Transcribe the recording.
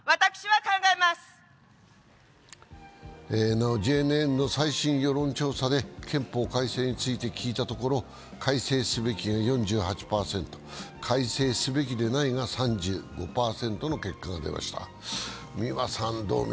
なお、ＪＮＮの最新世論調査で憲法改正について聞いたところ改正すべきが４８％、改正すべきでないが３５％の結果が出ました。